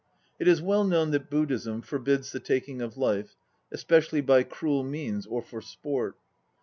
It is well known that Buddhism forbids the taking of life, especially by cruel means or for sport.